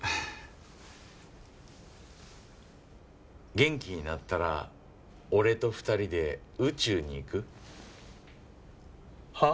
元気になったら俺と２人で宇宙に行く？はあ？